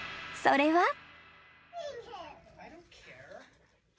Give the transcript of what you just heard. ［それは］